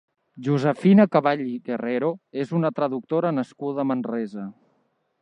Josefina Caball i Guerrero és una traductora nascuda a Manresa.